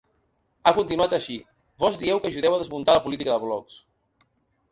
Ha continuat així: Vós dieu que ajudeu a desmuntar la política de blocs.